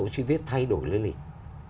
chi tiết thay đổi lê lịch